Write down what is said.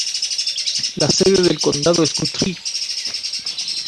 La sede del condado es Guthrie.